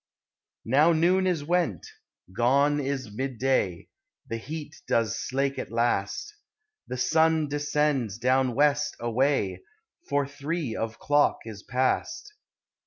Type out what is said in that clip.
Now noon is went; gone is midday. The heat does slake at last ; The sun descends down West away, For three of clock is past.